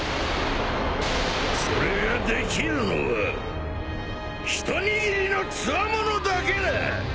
それができるのはひと握りのつわものだけな！